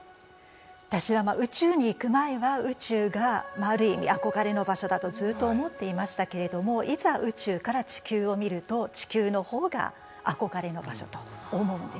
私は宇宙に行く前は宇宙がある意味憧れの場所だとずっと思っていましたけれどもいざ宇宙から地球を見ると地球のほうが憧れの場所と思うんですね。